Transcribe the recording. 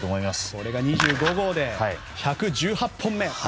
これが２５号で１１８本目。